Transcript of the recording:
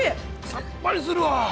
さっぱりするわ。